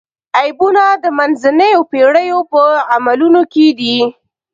عیبونه د منځنیو پېړیو په عملونو کې دي.